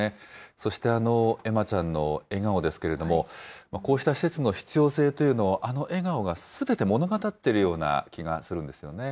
そして恵麻ちゃんの笑顔ですけれども、こうした施設の必要性というのを、あの笑顔がすべて物語っているような気がするんですよね。